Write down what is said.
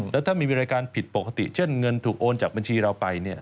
แล้วถ้ามีรายการผิดปกติเช่นเงินถูกโอนจากบัญชีเราไป